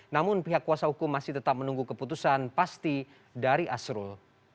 namun pihak kuasa hukum masih tetap menunggu keputusan pasti dari asrul